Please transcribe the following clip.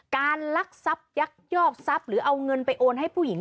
ลักทรัพยักยอกทรัพย์หรือเอาเงินไปโอนให้ผู้หญิง